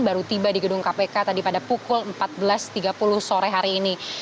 baru tiba di gedung kpk tadi pada pukul empat belas tiga puluh sore hari ini